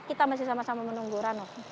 kita masih sama sama menunggu rano